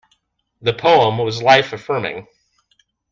The poem was life-affirming.